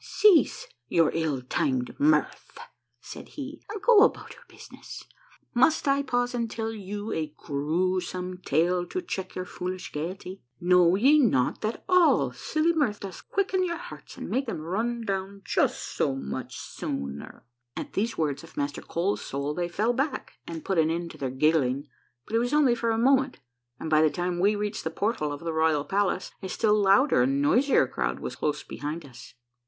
" Cease your ill timed mirth," said he, " and go about your business. Must I pause and tell you a grewsome tale to check your foolish gayety? Know ye not that all tins silly mirth doth quicken your hearts and make them run down just so much sooner ?" At these words of Master Cold Soul they fell back, and put an end to their giggling, but it was only for a moment, and by the time we reached the portal of the royal palace, a still louder and noisier crowd was close behind us.